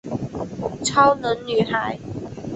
超能女孩。